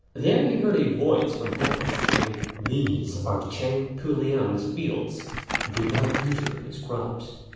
There he heard a voice from heaven, saying, "These are Chang Pu liang's fields; do not injure his crops."